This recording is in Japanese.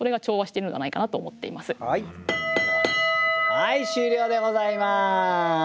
はい終了でございます。